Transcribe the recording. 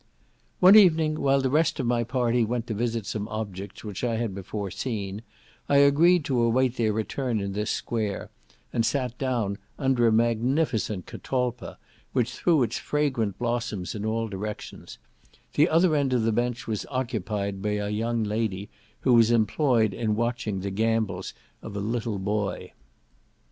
One evening, while the rest of my party went to visit some objects which I had before seen, I agreed to await their return in this square, and sat down under a magnificent catalpa, which threw its fragrant blossoms in all directions; the other end of the bench was occupied by a young lady, who was employed in watching the gambols of a little boy.